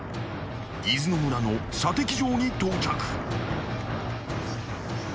［伊豆の村の射的場に到着］